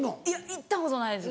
行ったことないです